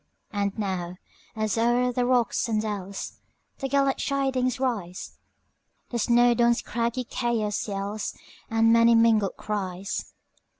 And now, as o'er the rocks and dellsThe gallant chidings rise, All Snowdon's craggy chaos yellsThe many mingled cries!